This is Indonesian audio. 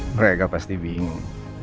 mereka pasti bingung